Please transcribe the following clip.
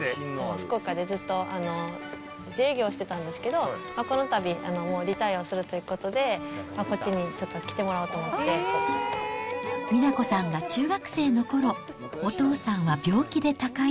福岡でずっと自営業をしてたんですけど、このたびリタイヤをするということで、こっちにちょっと来てもらおうと思美奈子さんが中学生のころ、お父さんは病気で他界。